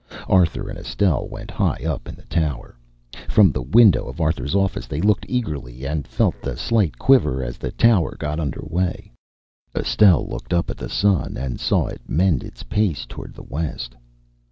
Arthur and Estelle went high up in the tower. From the window of Arthur's office they looked eagerly, and felt the slight quiver as the tower got under way. Estelle looked up at the sun, and saw it mend its pace toward the west.